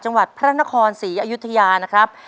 จังหวัดพระนครศรีอยุธยานะครับ